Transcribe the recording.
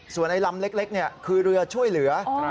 ส่วนไอ้ลำเล็กคือเรือช่วยเหลือ